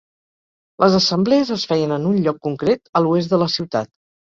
Les assemblees es feien en un lloc concret a l'oest de la ciutat.